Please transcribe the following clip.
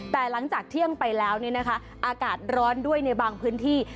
แต่หลังจากเที่ยงไปแล้วอากาศร้อนด้วยในบางพื้นที่